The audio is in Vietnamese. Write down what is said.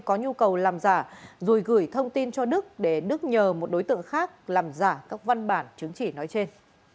có nhu cầu làm giả rồi gửi thông tin cho đức để đức nhờ một đối tượng khác làm giả các văn bản chứng chỉ nói trên